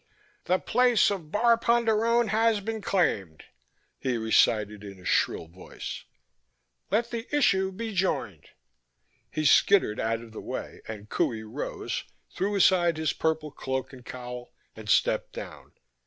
"The place of Bar Ponderone has been claimed!" he recited in a shrill voice. "Let the issue be joined!" He skittered out of the way and Qohey rose, threw aside his purple cloak and cowl, and stepped down.